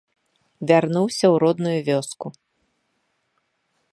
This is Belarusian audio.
Вярнуўся ў родную вёску.